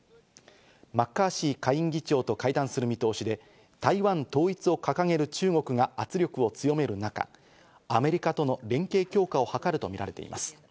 マッカーシー下院議長と会談する見通しで、台湾統一を掲げる中国が圧力を強める中、アメリカとの連携強化を図るとみられています。